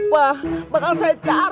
jangan macem macem sama anak muslihat